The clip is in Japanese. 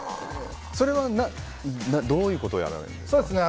それはどういうことをやられるんですか。